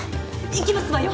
行きますわよ。